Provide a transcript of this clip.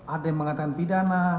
ada yang mengatakan pidana